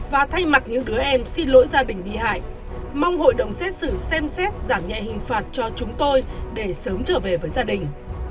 và thay mặt những đứa em xin lỗi gia đình bị hại mong hội đồng xét xử xem xét giảm nhẹ hình phạt cho chúng tôi để sớm trở về với gia đình